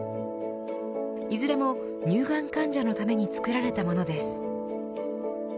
いずれも乳がん患者のために作られたものです。